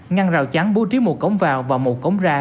ngăn rào chắn bố trí một cổng vào và một cổng ra